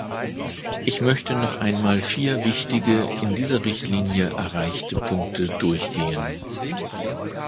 Ich möchte noch einmal vier wichtige, in dieser Richtlinie erreichte Punkte durchgehen.